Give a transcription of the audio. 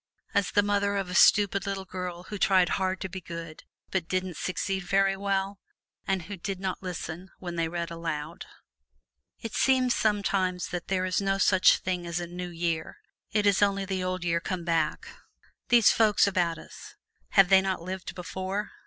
As the mother of a stupid little girl who tried hard to be good, but didn't succeed very well, and who did not listen when they read aloud. It seems sometimes that there is no such thing as a New Year it is only the old year come back. These folks about us have they not lived before?